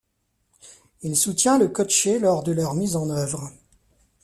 Il soutient le coaché lors de leur mise en œuvre.